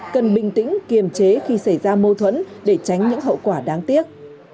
cần bình tĩnh kiềm chế khi xảy ra mâu thuẫn để tránh những hậu quả đáng tiếc